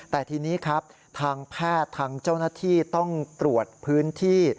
แต่ทีนี้ครับทางแพทย์ทางเจ้าหน้าที่ต้องตรวจพื้นที่